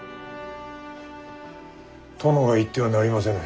殿が行ってはなりませぬ。